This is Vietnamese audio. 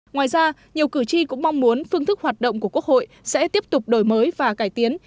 ngoài ra nhiều cử tri cũng mong muốn phương thức hoạt động của quốc hội sẽ tiếp tục đổi mới và cải tiến